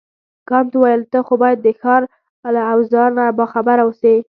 کانت وویل ته خو باید د ښار له اوضاع نه باخبره اوسې.